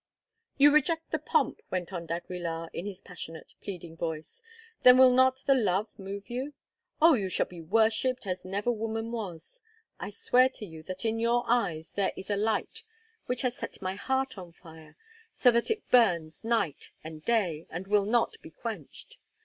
"You reject the pomp," went on d'Aguilar in his passionate, pleading voice, "then will not the love move you? Oh! you shall be worshipped as never woman was. I swear to you that in your eyes there is a light which has set my heart on fire, so that it burns night and day, and will not be quenched.